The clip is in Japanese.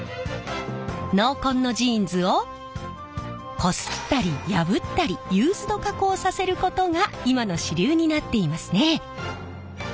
濃紺のジーンズをこすったり破ったりユーズド加工させることが今の主流になっていますね。